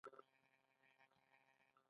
اوس اختیار لرې چې مخ پټوې او که نه.